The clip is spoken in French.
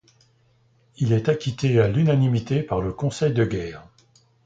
Il est acquitté à l'unanimité par le Conseil de guerre.